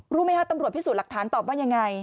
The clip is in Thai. รู้ไหมคะตำรวจพิสูจน์หลักฐานตอบว่ายังไง